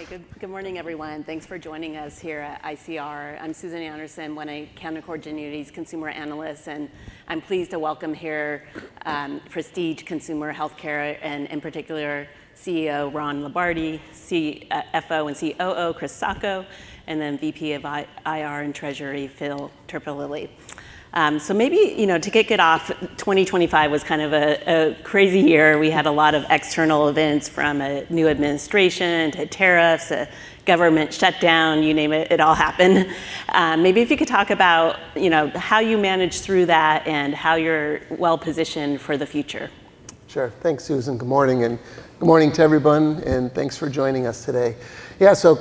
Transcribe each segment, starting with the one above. Okay, good morning, everyone. Thanks for joining us here at ICR. I'm Susan Anderson, one of Canaccord Genuity's consumer analysts, and I'm pleased to welcome here Prestige Consumer Healthcare and, in particular, CEO Ron Lombardi, CFO and COO, Chris Sacco, and then VP of IR and Treasury, Phil Terpolilli. So maybe, you know, to kick it off, 2025 was kind of a crazy year. We had a lot of external events from a new administration to tariffs to government shutdown, you name it, it all happened. Maybe if you could talk about, you know, how you managed through that and how you're well positioned for the future. Sure. Thanks, Susan. Good morning and good morning to everyone, and thanks for joining us today. Yeah, so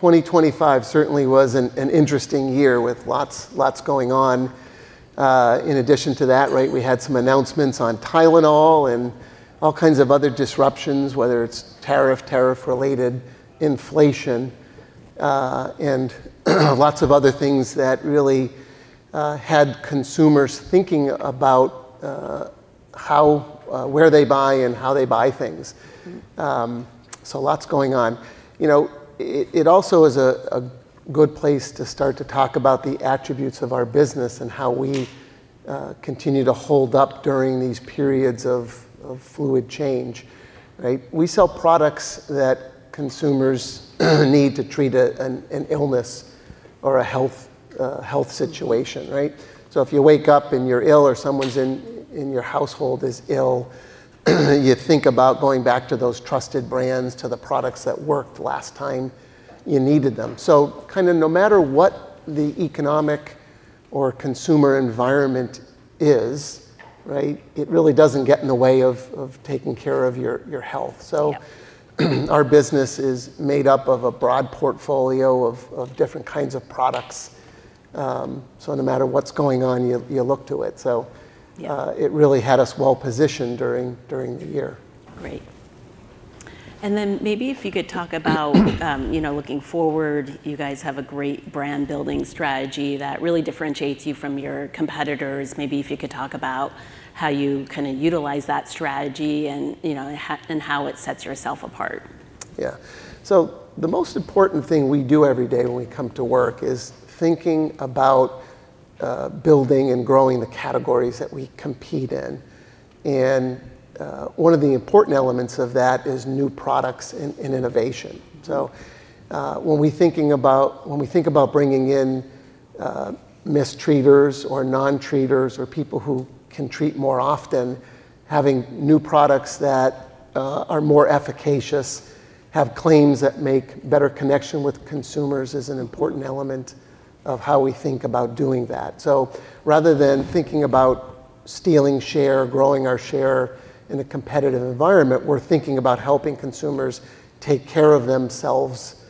calendar 2025 certainly was an interesting year with lots, lots going on. In addition to that, right, we had some announcements on Tylenol and all kinds of other disruptions, whether it's tariff, tariff-related inflation, and lots of other things that really had consumers thinking about where they buy and how they buy things. So lots going on. You know, it also is a good place to start to talk about the attributes of our business and how we continue to hold up during these periods of fluid change, right? We sell products that consumers need to treat an illness or a health situation, right? So if you wake up and you're ill or someone in your household is ill, you think about going back to those trusted brands, to the products that worked last time you needed them. So kind of no matter what the economic or consumer environment is, right, it really doesn't get in the way of taking care of your health. So our business is made up of a broad portfolio of different kinds of products. So no matter what's going on, you look to it. So it really had us well positioned during the year. Great. And then maybe if you could talk about, you know, looking forward, you guys have a great brand building strategy that really differentiates you from your competitors. Maybe if you could talk about how you kind of utilize that strategy and, you know, and how it sets yourself apart. Yeah. So the most important thing we do every day when we come to work is thinking about building and growing the categories that we compete in. And one of the important elements of that is new products and innovation. So when we think about, when we think about bringing in mistreaters or non-treaters or people who can treat more often, having new products that are more efficacious, have claims that make better connection with consumers is an important element of how we think about doing that. So rather than thinking about stealing share, growing our share in a competitive environment, we're thinking about helping consumers take care of themselves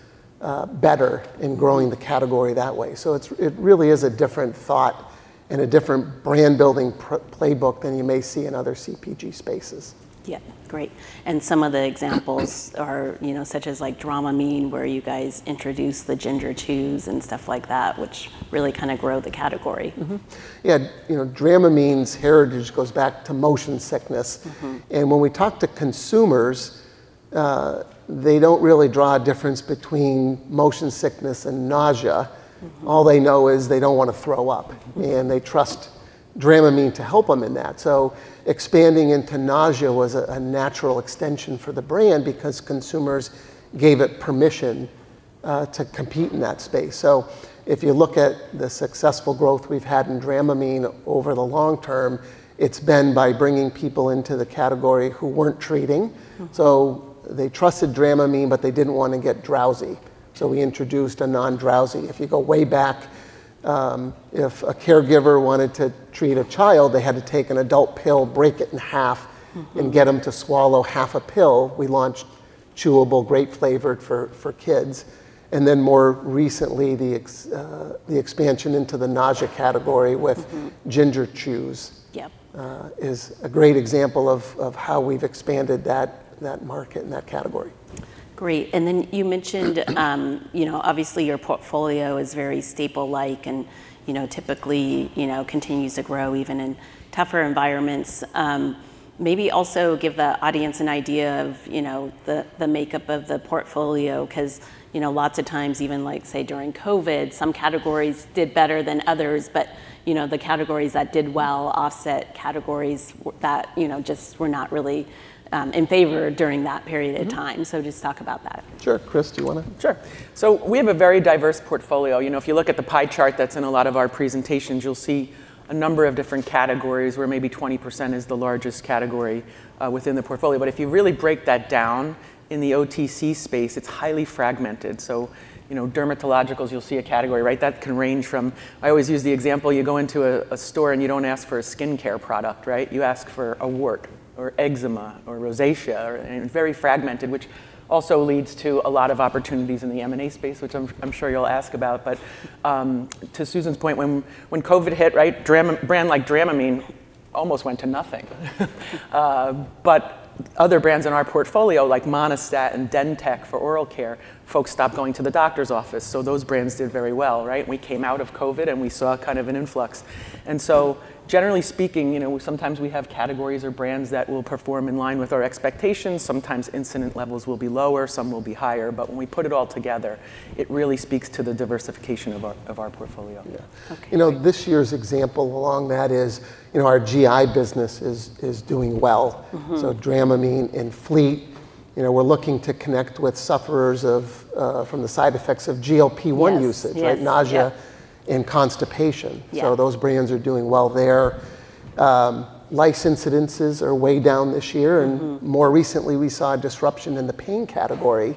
better in growing the category that way. So it really is a different thought and a different brand building playbook than you may see in other CPG spaces. Yeah, great, and some of the examples are, you know, such as like Dramamine, where you guys introduce the Ginger Chews and stuff like that, which really kind of grow the category. Yeah, you know, Dramamine's heritage goes back to motion sickness, and when we talk to consumers, they don't really draw a difference between motion sickness and nausea. All they know is they don't want to throw up, and they trust Dramamine to help them in that, so expanding into nausea was a natural extension for the brand because consumers gave it permission to compete in that space. So if you look at the successful growth we've had in Dramamine over the long term, it's been by bringing people into the category who weren't treating, so they trusted Dramamine, but they didn't want to get drowsy, so we introduced a non-drowsy. If you go way back, if a caregiver wanted to treat a child, they had to take an adult pill, break it in half, and get them to swallow half a pill. We launched chewable, great flavored for kids. More recently, the expansion into the nausea category with Ginger Chews is a great example of how we've expanded that market and that category. Great. And then you mentioned, you know, obviously your portfolio is very staple-like and, you know, typically, you know, continues to grow even in tougher environments. Maybe also give the audience an idea of, you know, the makeup of the portfolio, because, you know, lots of times, even like, say, during COVID, some categories did better than others, but, you know, the categories that did well offset categories that, you know, just were not really in favor during that period of time. So just talk about that. Sure. Chris, do you want to? Sure, so we have a very diverse portfolio. You know, if you look at the pie chart that's in a lot of our presentations, you'll see a number of different categories where maybe 20% is the largest category within the portfolio, but if you really break that down in the OTC space, it's highly fragmented, so you know, dermatologicals, you'll see a category, right, that can range from. I always use the example, you go into a store and you don't ask for a skincare product, right? You ask for a wart or eczema or rosacea, very fragmented, which also leads to a lot of opportunities in the M&A space, which I'm sure you'll ask about, but to Susan's point, when COVID hit, right, brands like Dramamine almost went to nothing. But other brands in our portfolio, like Monistat and DenTek for oral care, folks stopped going to the doctor's office. So those brands did very well, right? We came out of COVID and we saw kind of an influx. And so generally speaking, you know, sometimes we have categories or brands that will perform in line with our expectations. Sometimes incident levels will be lower, some will be higher. But when we put it all together, it really speaks to the diversification of our portfolio. Yeah. You know, this year's example along that is, you know, our GI business is doing well. So Dramamine and Fleet, you know, we're looking to connect with sufferers from the side effects of GLP-1 usage, right, nausea and constipation. So those brands are doing well there. Flu incidences are way down this year. And more recently, we saw a disruption in the pain category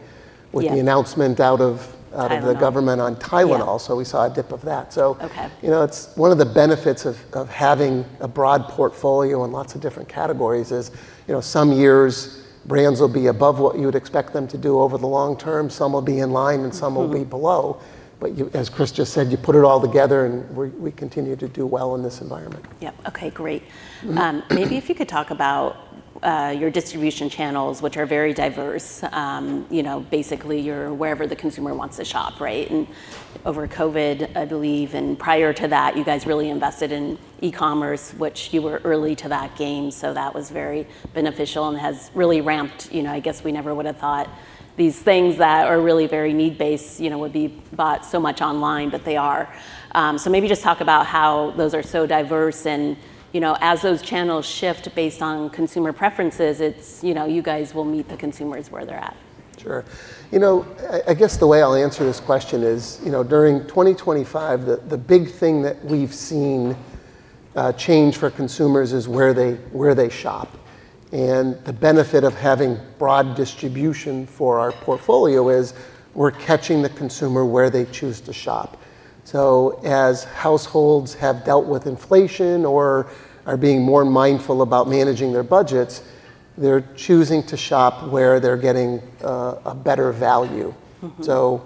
with the announcement out of the government on Tylenol. So we saw a dip of that. So, you know, it's one of the benefits of having a broad portfolio and lots of different categories is, you know, some years brands will be above what you would expect them to do over the long term, some will be in line and some will be below. But as Chris just said, you put it all together and we continue to do well in this environment. Yeah. Okay, great. Maybe if you could talk about your distribution channels, which are very diverse, you know, basically you're wherever the consumer wants to shop, right? And over COVID, I believe, and prior to that, you guys really invested in e-commerce, which you were early to that game. So that was very beneficial and has really ramped, you know, I guess we never would have thought these things that are really very need-based, you know, would be bought so much online, but they are. So maybe just talk about how those are so diverse and, you know, as those channels shift based on consumer preferences, it's, you know, you guys will meet the consumers where they're at. Sure. You know, I guess the way I'll answer this question is, you know, during 2025, the big thing that we've seen change for consumers is where they shop, and the benefit of having broad distribution for our portfolio is we're catching the consumer where they choose to shop. So as households have dealt with inflation or are being more mindful about managing their budgets, they're choosing to shop where they're getting a better value, so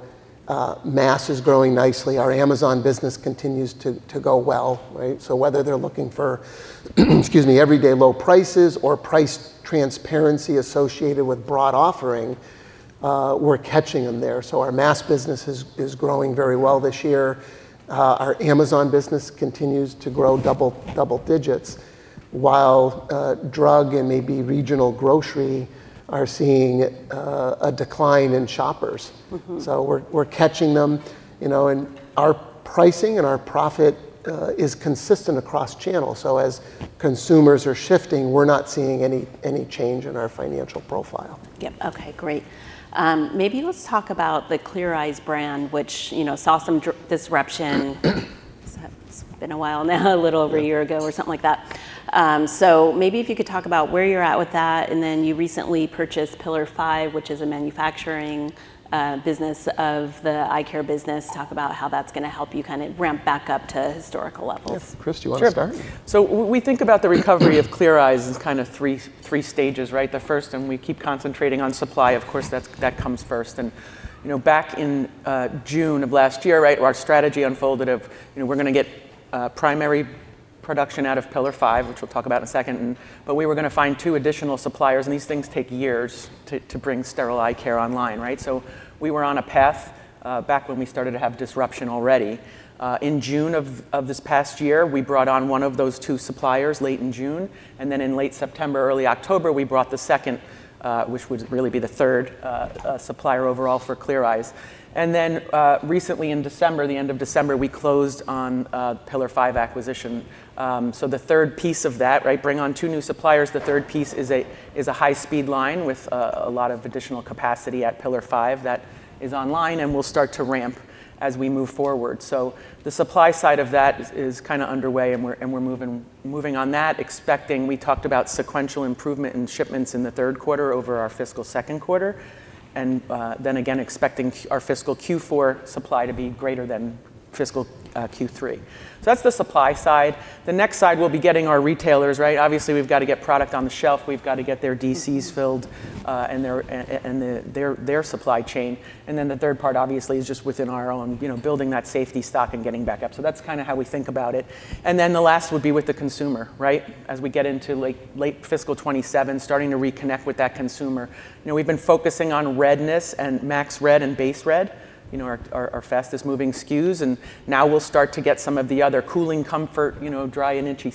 mass is growing nicely. Our Amazon business continues to go well, right? So whether they're looking for, excuse me, everyday low prices or price transparency associated with broad offering, we're catching them there, so our mass business is growing very well this year. Our Amazon business continues to grow double digits, while drug and maybe regional grocery are seeing a decline in shoppers. So we're catching them, you know, and our pricing and our profit is consistent across channels. So as consumers are shifting, we're not seeing any change in our financial profile. Yep. Okay, great. Maybe let's talk about the Clear Eyes brand, which, you know, saw some disruption. It's been a while now, a little over a year ago or something like that. So maybe if you could talk about where you're at with that, and then you recently purchased Pillar5, which is a manufacturing business of the eye care business. Talk about how that's going to help you kind of ramp back up to historical levels. Chris, do you want to start? We think about the recovery of Clear Eyes in kind of three stages, right? The first, and we keep concentrating on supply, of course, that comes first. And, you know, back in June of last year, right, our strategy unfolded of, you know, we're going to get primary production out of Pillar, which we'll talk about in a second, but we were going to find two additional suppliers, and these things take years to bring sterile eye care online, right? So we were on a path back when we started to have disruption already. In June of this past year, we brought on one of those two suppliers late in June, and then in late September, early October, we brought the second, which would really be the third supplier overall for Clear Eyes. And then recently in December, the end of December, we closed on Pillar5 acquisition. So the third piece of that, right, bring on two new suppliers. The third piece is a high-speed line with a lot of additional capacity at Pillar5 that is online, and we'll start to ramp as we move forward. So the supply side of that is kind of underway, and we're moving on that, expecting we talked about sequential improvement in shipments in the third quarter over our fiscal second quarter, and then again expecting our fiscal Q4 supply to be greater than fiscal Q3. So that's the supply side. The next side will be getting our retailers, right? Obviously, we've got to get product on the shelf. We've got to get their DCs filled and their supply chain. And then the third part, obviously, is just within our own, you know, building that safety stock and getting back up. So that's kind of how we think about it. And then the last would be with the consumer, right? As we get into late fiscal 2027, starting to reconnect with that consumer. You know, we've been focusing on redness and max red and base red, you know, our fastest moving SKUs, and now we'll start to get some of the other Cooling Comfort, you know, dry and itchy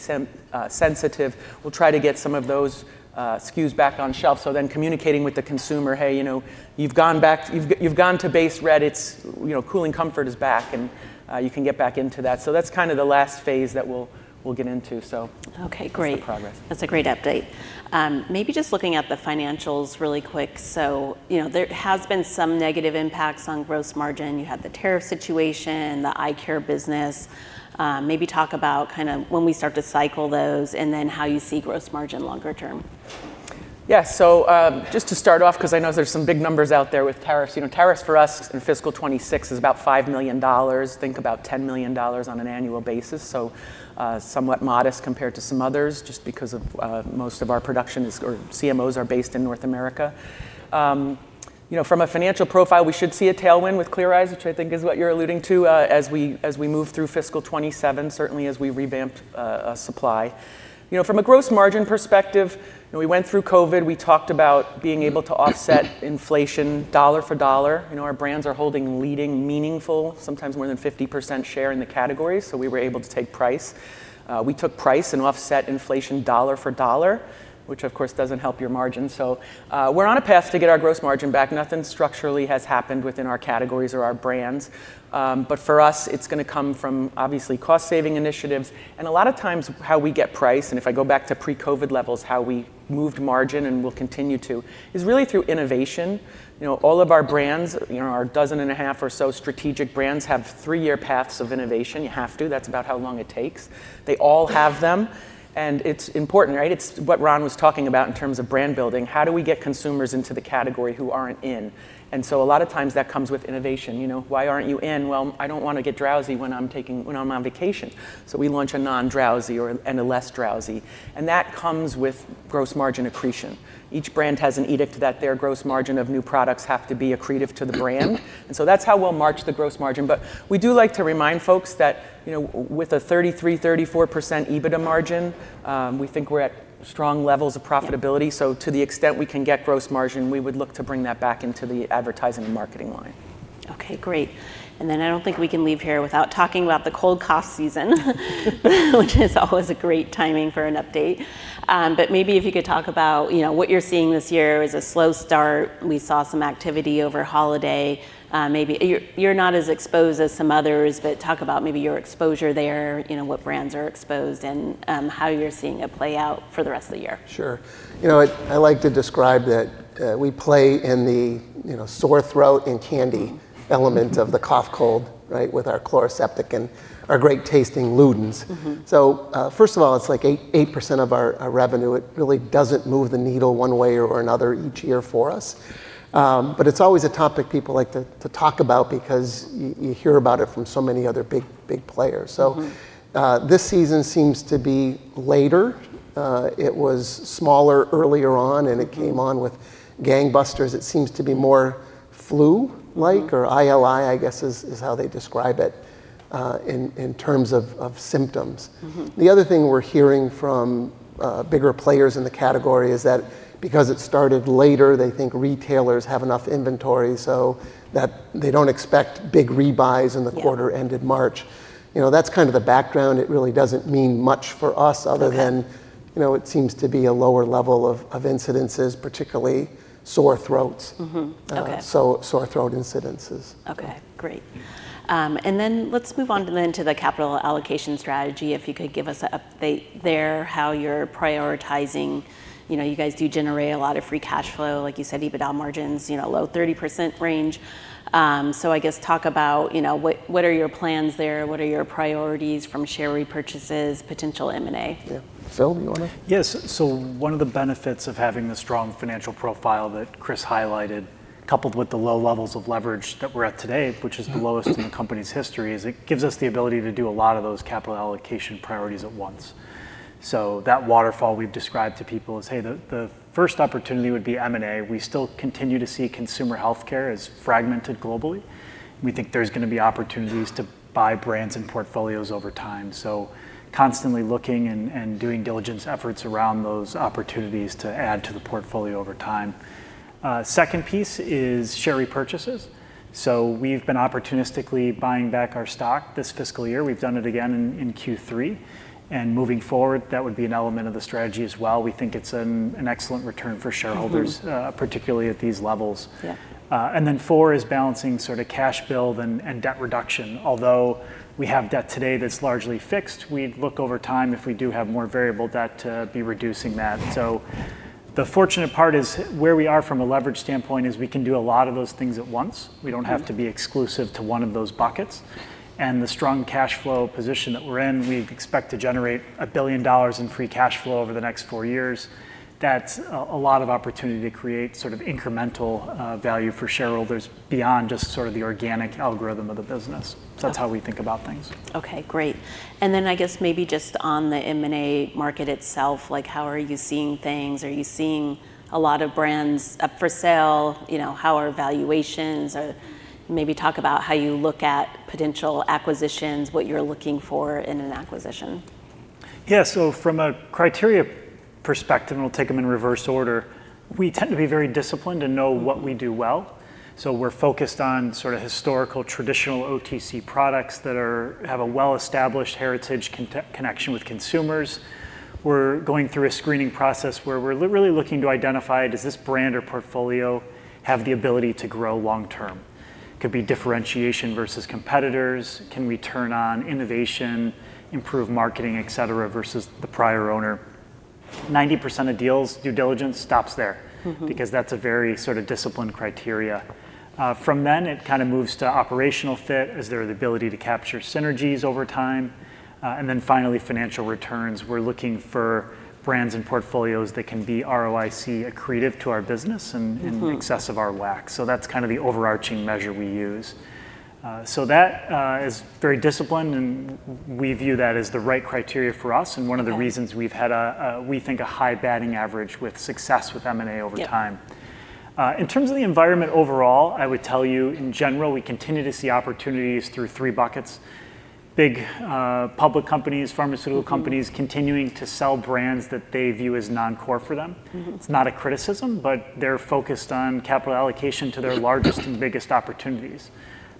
sensitive. We'll try to get some of those SKUs back on shelf. So then communicating with the consumer, hey, you know, you've gone back, you've gone to base red, it's, you know, Cooling Comfort is back, and you can get back into that. So that's kind of the last phase that we'll get into. So. Okay, great. That's a great update. Maybe just looking at the financials really quick. So, you know, there has been some negative impacts on gross margin. You had the tariff situation, the eye care business. Maybe talk about kind of when we start to cycle those and then how you see gross margin longer term? Yeah, so just to start off, because I know there's some big numbers out there with tariffs, you know, tariffs for us in fiscal 2026 is about $5 million. Think about $10 million on an annual basis, so somewhat modest compared to some others just because of most of our production is, or CMOs are based in North America. You know, from a financial profile, we should see a tailwind with Clear Eyes, which I think is what you're alluding to as we move through fiscal 2027, certainly as we revamped supply. You know, from a gross margin perspective, you know, we went through COVID. We talked about being able to offset inflation dollar for dollar. You know, our brands are holding leading, meaningful, sometimes more than 50% share in the categories, so we were able to take price. We took price and offset inflation dollar for dollar, which of course doesn't help your margin. So we're on a path to get our gross margin back. Nothing structurally has happened within our categories or our brands. But for us, it's going to come from obviously cost-saving initiatives. And a lot of times how we get price, and if I go back to pre-COVID levels, how we moved margin and will continue to, is really through innovation. You know, all of our brands, you know, our dozen and a half or so strategic brands have three-year paths of innovation. You have to. That's about how long it takes. They all have them. And it's important, right? It's what Ron was talking about in terms of brand building. How do we get consumers into the category who aren't in? And so a lot of times that comes with innovation. You know, why aren't you in? Well, I don't want to get drowsy when I'm taking, when I'm on vacation. So we launch a non-drowsy or a less drowsy. And that comes with gross margin accretion. Each brand has an edict that their gross margin of new products have to be accretive to the brand. And so that's how we'll march the gross margin. But we do like to remind folks that, you know, with a 33%-34% EBITDA margin, we think we're at strong levels of profitability. So to the extent we can get gross margin, we would look to bring that back into the advertising and marketing line. Okay, great. And then I don't think we can leave here without talking about the cold and cough season, which is always a great timing for an update. But maybe if you could talk about, you know, what you're seeing this year is a slow start. We saw some activity over holiday. Maybe you're not as exposed as some others, but talk about maybe your exposure there, you know, what brands are exposed and how you're seeing it play out for the rest of the year. Sure. You know, I like to describe that we play in the, you know, sore throat and candy element of the cough cold, right, with our Chloraseptic and our great tasting Luden's. So first of all, it's like 8% of our revenue. It really doesn't move the needle one way or another each year for us. But it's always a topic people like to talk about because you hear about it from so many other big players. So this season seems to be later. It was smaller earlier on, and it came on with gangbusters. It seems to be more flu-like, or ILI, I guess, is how they describe it in terms of symptoms. The other thing we're hearing from bigger players in the category is that because it started later, they think retailers have enough inventory so that they don't expect big rebuys in the quarter ended March. You know, that's kind of the background. It really doesn't mean much for us other than, you know, it seems to be a lower level of incidences, particularly sore throats. So sore throat incidences. Okay, great. And then let's move on to the capital allocation strategy. If you could give us an update there, how you're prioritizing. You know, you guys do generate a lot of free cash flow, like you said, EBITDA margins, you know, low 30% range. So I guess talk about, you know, what are your plans there? What are your priorities from share repurchases, potential M&A? Yeah. Phil, do you want to? Yes. So one of the benefits of having the strong financial profile that Chris highlighted, coupled with the low levels of leverage that we're at today, which is the lowest in the company's history, is it gives us the ability to do a lot of those capital allocation priorities at once. So that waterfall we've described to people is, hey, the first opportunity would be M&A. We still continue to see consumer healthcare as fragmented globally. We think there's going to be opportunities to buy brands and portfolios over time. So constantly looking and doing diligence efforts around those opportunities to add to the portfolio over time. Second piece is share repurchases. So we've been opportunistically buying back our stock this fiscal year. We've done it again in Q3. And moving forward, that would be an element of the strategy as well. We think it's an excellent return for shareholders, particularly at these levels, and then four is balancing sort of cash build and debt reduction. Although we have debt today that's largely fixed, we look over time if we do have more variable debt to be reducing that, so the fortunate part is where we are from a leverage standpoint is we can do a lot of those things at once. We don't have to be exclusive to one of those buckets, and the strong cash flow position that we're in, we expect to generate $1 billion in free cash flow over the next four years. That's a lot of opportunity to create sort of incremental value for shareholders beyond just sort of the organic algorithm of the business, so that's how we think about things. Okay, great. And then I guess maybe just on the M&A market itself, like how are you seeing things? Are you seeing a lot of brands up for sale? You know, how are valuations? Or maybe talk about how you look at potential acquisitions, what you're looking for in an acquisition. Yeah. So from a criteria perspective, and we'll take them in reverse order, we tend to be very disciplined and know what we do well. So we're focused on sort of historical, traditional OTC products that have a well-established heritage connection with consumers. We're going through a screening process where we're really looking to identify, does this brand or portfolio have the ability to grow long term? Could be differentiation versus competitors. Can we turn on innovation, improve marketing, et cetera, versus the prior owner? 90% of deals, due diligence stops there because that's a very sort of disciplined criteria. From then, it kind of moves to operational fit as there is the ability to capture synergies over time. And then finally, financial returns. We're looking for brands and portfolios that can be ROIC accretive to our business and in excess of our WACC. So that's kind of the overarching measure we use. So that is very disciplined, and we view that as the right criteria for us. And one of the reasons we've had, we think, a high batting average with success with M&A over time. In terms of the environment overall, I would tell you in general, we continue to see opportunities through three buckets. Big public companies, pharmaceutical companies continuing to sell brands that they view as non-core for them. It's not a criticism, but they're focused on capital allocation to their largest and biggest opportunities.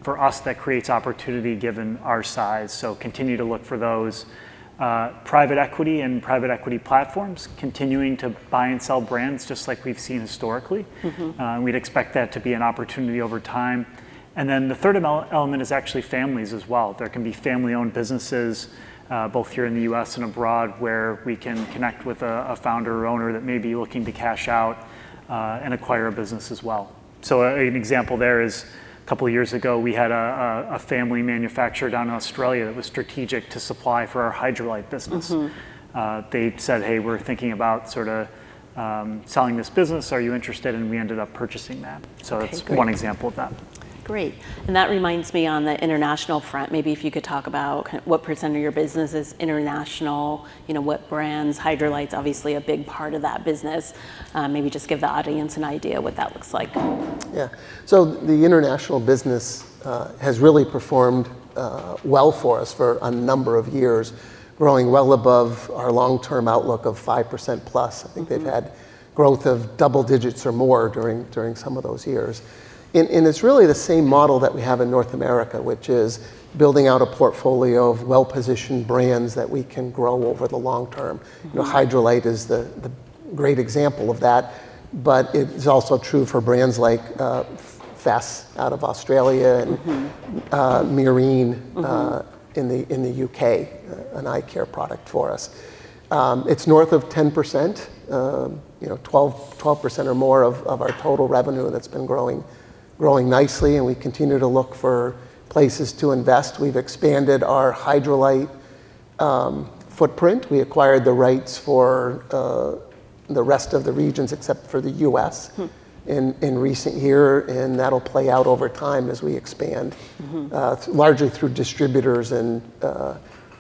For us, that creates opportunity given our size. So continue to look for those. Private equity and private equity platforms continuing to buy and sell brands just like we've seen historically. We'd expect that to be an opportunity over time. And then the third element is actually families as well. There can be family-owned businesses, both here in the U.S. and abroad, where we can connect with a founder or owner that may be looking to cash out and acquire a business as well. So an example there is a couple of years ago, we had a family manufacturer down in Australia that was strategic to supply for our Hydralyte business. They said, "Hey, we're thinking about sort of selling this business. Are you interested?" And we ended up purchasing that. So that's one example of that. Great. And that reminds me on the international front, maybe if you could talk about what % of your business is international, you know, what brands, Hydralyte's obviously a big part of that business. Maybe just give the audience an idea of what that looks like. Yeah. So the international business has really performed well for us for a number of years, growing well above our long-term outlook of 5% plus. I think they've had growth of double digits or more during some of those years. And it's really the same model that we have in North America, which is building out a portfolio of well-positioned brands that we can grow over the long term. Hydralyte is the great example of that. But it's also true for brands like FESS out of Australia and Murine in the U.K., an eye care product for us. It's north of 10%, you know, 12% or more of our total revenue that's been growing nicely. And we continue to look for places to invest. We've expanded our Hydralyte footprint. We acquired the rights for the rest of the regions except for the U.S. in recent years. That'll play out over time as we expand, largely through distributors and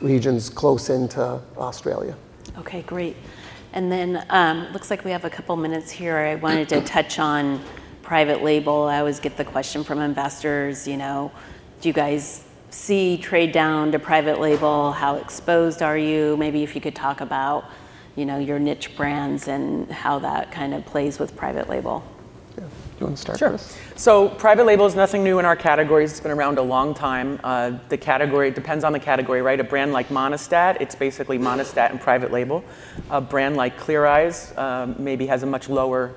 regions close into Australia. Okay, great. And then looks like we have a couple of minutes here. I wanted to touch on private label. I always get the question from investors, you know, do you guys see trade down to private label? How exposed are you? Maybe if you could talk about, you know, your niche brands and how that kind of plays with private label. Yeah. Do you want to start with this? Sure. So private label is nothing new in our categories. It's been around a long time. The category depends on the category, right? A brand like Monistat, it's basically Monistat and private label. A brand like Clear Eyes maybe has a much lower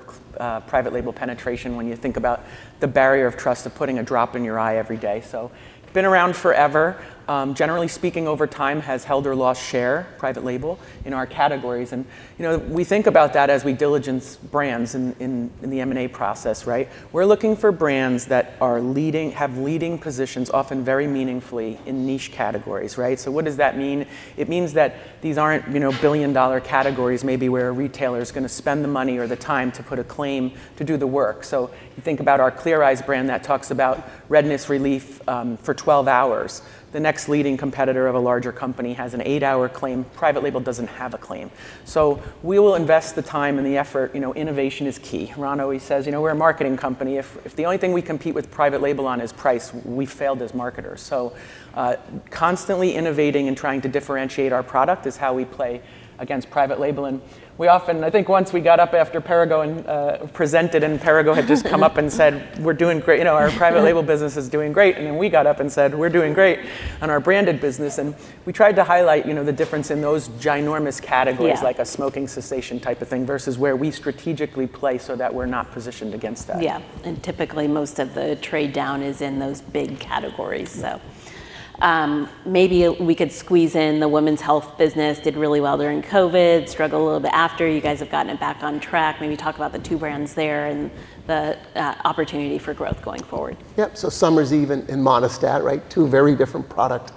private label penetration when you think about the barrier of trust of putting a drop in your eye every day. So it's been around forever. Generally speaking, over time has held or lost share, private label in our categories. And you know, we think about that as we diligence brands in the M&A process, right? We're looking for brands that are leading, have leading positions often very meaningfully in niche categories, right? So what does that mean? It means that these aren't, you know, billion-dollar categories maybe where a retailer is going to spend the money or the time to put a claim to do the work. So you think about our Clear Eyes brand that talks about redness relief for 12 hours. The next leading competitor of a larger company has an eight-hour claim. Private label doesn't have a claim. So we will invest the time and the effort. You know, innovation is key. Ron always says, you know, we're a marketing company. If the only thing we compete with private label on is price, we failed as marketers. So constantly innovating and trying to differentiate our product is how we play against private label. And we often, I think once we got up after Perrigo presented and Perrigo had just come up and said, "We're doing great." You know, our private label business is doing great. And then we got up and said, "We're doing great on our branded business." And we tried to highlight, you know, the difference in those ginormous categories like a smoking cessation type of thing versus where we strategically play so that we're not positioned against that. Yeah. And typically most of the trade down is in those big categories. So maybe we could squeeze in the women's health business did really well during COVID, struggled a little bit after. You guys have gotten it back on track. Maybe talk about the two brands there and the opportunity for growth going forward. Yep. Summer's Eve and Monistat, right? Two very different product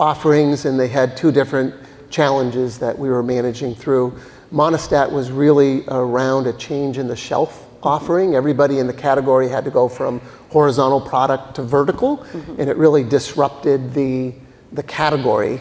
offerings. And they had two different challenges that we were managing through. Monistat was really around a change in the shelf offering. Everybody in the category had to go from horizontal product to vertical. And it really disrupted the category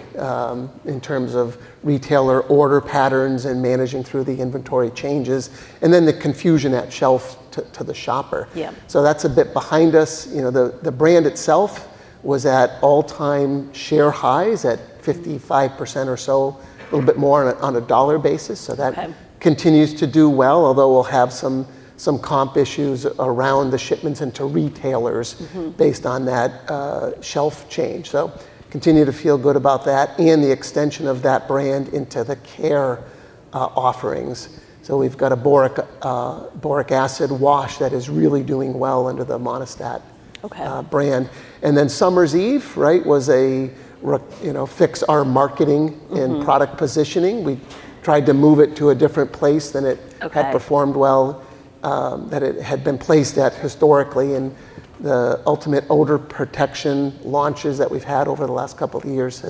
in terms of retailer order patterns and managing through the inventory changes. And then the confusion at shelf to the shopper. So that's a bit behind us. You know, the brand itself was at all-time share highs at 55% or so, a little bit more on a dollar basis. So that continues to do well, although we'll have some comp issues around the shipments and to retailers based on that shelf change. So continue to feel good about that and the extension of that brand into the care offerings. So we've got a Boric Acid Wash that is really doing well under the Monistat brand. And then Summer's Eve, right, was a, you know, fix our marketing and product positioning. We tried to move it to a different place than it had performed well, that it had been placed at historically. And the ultimate odor protection launches that we've had over the last couple of years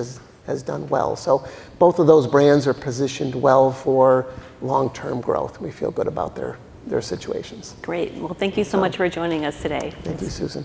has done well. So both of those brands are positioned well for long-term growth. We feel good about their situations. Great. Well, thank you so much for joining us today. Thank you, Susan.